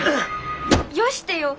よしてよ。